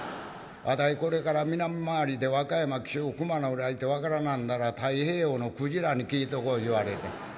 「私これから南回りで和歌山紀州熊野ぐらい行て『分からなんだら太平洋の鯨に聞いてこい』言われて」。